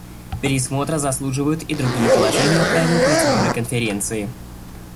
Пересмотра заслуживают и другие положения правил процедуры Конференции.